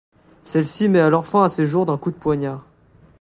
Celle-ci met alors fin à ses jours d'un coup de poignard.